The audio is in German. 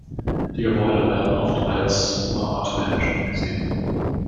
Die Gebäude werden oft als urartäisch angesehen.